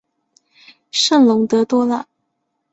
圣龙德多朗。